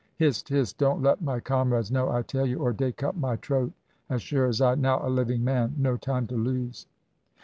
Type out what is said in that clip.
Hist! hist! Don't let my comrades know I tell you, or dey cut my troat as sure as I now a living man. No time to lose."